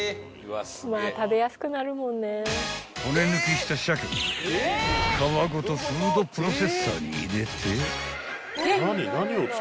［骨抜きした鮭を皮ごとフードプロセッサーに入れて］